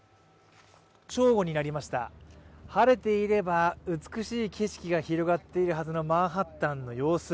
正午になりました、晴れていれば美しい景色が広がっているはずのマンハッタンの様子。